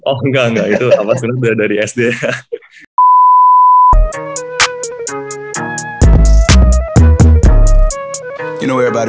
oh enggak enggak itu abis sunat dari sd